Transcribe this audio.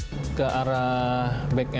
itu kita menggunakan laravel sebagai frameworknya